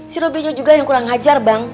si robi juga yang kurang ajar bang